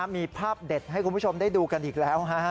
มีภาพเด็ดให้คุณผู้ชมได้ดูกันอีกแล้ว